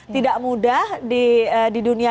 tidak mudah di dunia